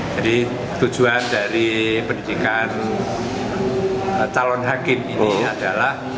jadi tujuan dari pendidikan calon hakim ini adalah